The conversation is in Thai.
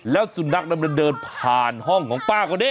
แล้วสุนัขนั้นมันเดินผ่านห้องของป้าคนนี้